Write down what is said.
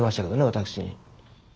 私に。